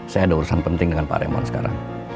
saya ada urusan penting dengan pak remon sekarang